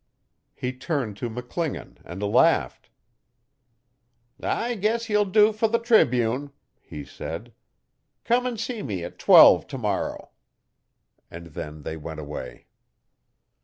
He turned to McClingan and laughed. 'I guess you'll do for the Tribune,' he said. 'Come and see me at twelve tomorrow. And then they went away.